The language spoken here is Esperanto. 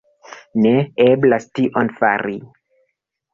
Ne eblas tion fari.